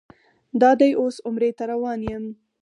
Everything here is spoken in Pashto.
دادی اوس عمرې ته روان یم.